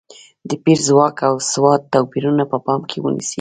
د پېر ځواک او سواد توپیرونه په پام کې ونیسي.